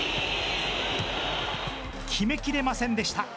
決めきれませんでした。